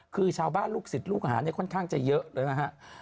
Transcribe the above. คือชาวบ้านลูกศิษย์ลูกหาเนี่ยค่อนข้างจะเยอะเลยนะฮะ